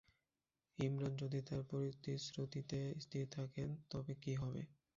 ইমরান যদি তাঁর প্রতিশ্রুতিতে স্থির থাকেন তবে কি হবে?